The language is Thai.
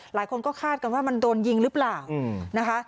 หลายคนก็คาดกันว่ามันโดนยิงหรือเปล่านะคะ